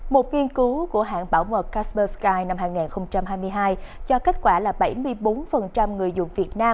một nghiên cứu của hãng bảo mật casper sky năm hai nghìn hai mươi hai cho kết quả là bảy mươi bốn người dùng việt nam